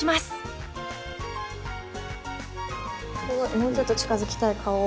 もうちょっと近づきたい顔を。